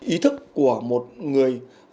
ý thức của một người